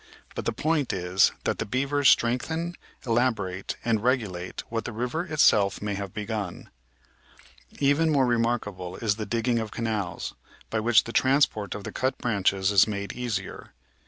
But the point is that the beavers strengthen, elaborate, and regulate what the river itself may have begun. Even more remarkable is the digging of canals, by which the transport of the cut branches is made easier.